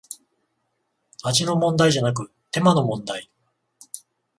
味の問題じゃなく手間の問題